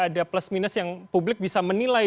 ada plus minus yang publik bisa menilai